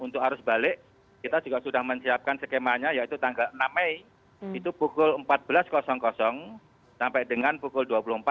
untuk arus balik kita juga sudah menyiapkan skemanya yaitu tanggal enam mei itu pukul empat belas sampai dengan pukul dua puluh empat